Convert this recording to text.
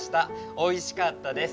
おいしかったです。